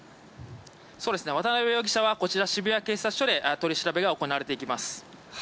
渡邉容疑者はこちら、渋谷警察署で取り調べが行われていきます。